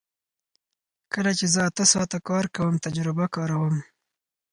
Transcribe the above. کله چې زه اته ساعته کار کوم تجربه کاروم